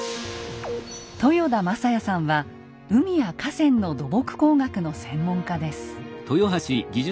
豊田将也さんは海や河川の土木工学の専門家です。